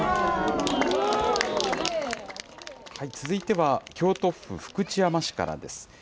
続いては京都府福知山市からです。